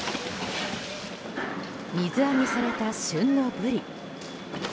水揚げされた旬のブリ。